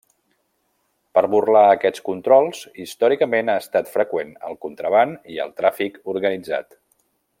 Per burlar aquests controls històricament ha estat freqüent el contraban i el tràfic organitzat.